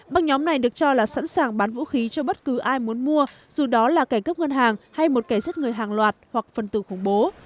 băng nhóm này được cho là sẵn sàng bán vũ khí cho bất cứ ai muốn mua dù đó là kẻ cướp ngân hàng hay một kẻ giết người hàng loạt hoặc phần tử khủng bố